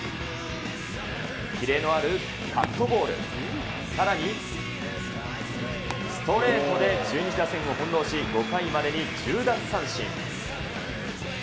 キレのあるカットボール、さらにストレートで中日打線を翻弄し、５回までに１０奪三振。